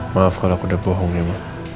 maaf kalau aku udah bohong ya mbak